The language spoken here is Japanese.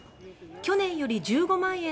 去年より１５万円